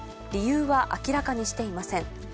理由は明らかにしていません。